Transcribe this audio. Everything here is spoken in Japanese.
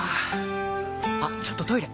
あっちょっとトイレ！